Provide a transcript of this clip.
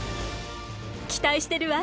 期待してるわ。